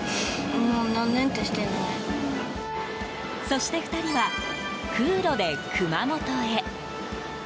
そして２人は、空路で熊本へ。